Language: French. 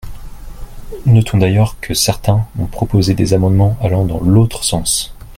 Notons d’ailleurs que certains ont proposé des amendements allant dans l’autre sens.